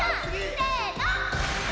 せの。